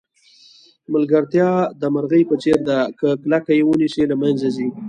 ملګرتیا د مرغۍ په څېر ده که کلکه یې ونیسئ له منځه ځي.